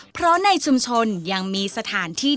เพราะในชุมชนยังมีสถานที่